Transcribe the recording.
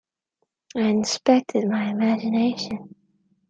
I inspected my imagination.